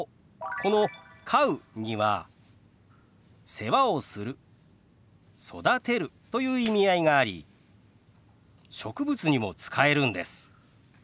この「飼う」には「世話をする」「育てる」という意味合いがあり植物にも使えるんです。